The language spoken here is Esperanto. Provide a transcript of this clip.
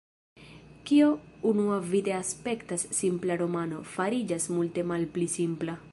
Kio unuavide aspektas simpla romano, fariĝas multe malpli simpla.